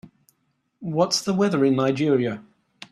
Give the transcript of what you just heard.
What's the weather in Nigeria?